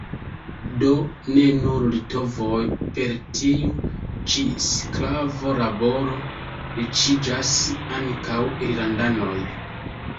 Do ne nur litovoj per tiu ĉi sklavo-laboro riĉiĝas – ankaŭ irlandanoj.